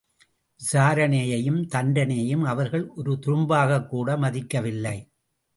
விசாரணையையும் தண்டனையையும் அவர்கள் ஒரு துரும்பாகக்கூட மதிக்கவில்லை.